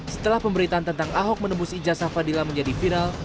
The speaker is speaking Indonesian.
setelah pemberitaan tentang ahok menembus ijasa fadila menjadi viral